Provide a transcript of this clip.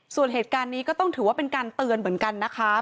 ส่วนเหตุการณ์นี้ก็ต้องถือว่าเป็นการเตือนเหมือนกันนะคะ